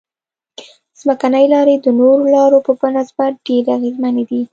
ځمکنۍ لارې د نورو لارو په نسبت ډېرې اغیزمنې دي